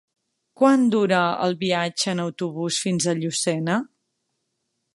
Quant dura el viatge en autobús fins a Llucena?